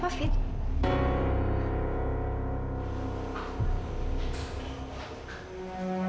kamu ada di rumah